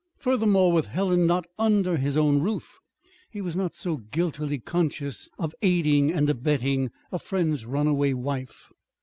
Furthermore, with Helen not under his own roof, he was not so guiltily conscious of "aiding and abetting" a friend's runaway wife.